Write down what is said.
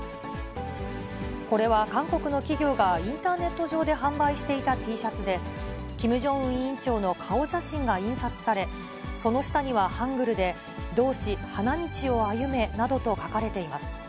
これは韓国の企業がインターネット上で販売していたＴシャツで、キム・ジョンウン委員長の顔写真が印刷され、その下にはハングルで同志花道を歩めなどと書かれています。